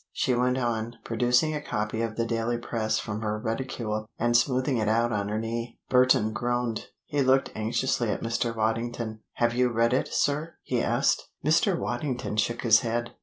she went on, producing a copy of the Daily Press from her reticule and smoothing it out on her knee. Burton groaned. He looked anxiously at Mr. Waddington. "Have you read it, sir?" he asked. Mr. Waddington shook his head.